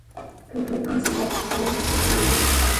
と、お母さんは溜息をついて言うのでした。